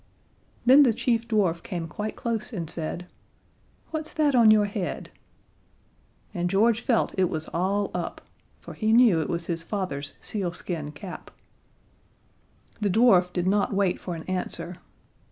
Then the chief dwarf came quite close and said: "What's that on your head?" And George felt it was all up for he knew it was his father's sealskin cap. The dwarf did not wait for an answer.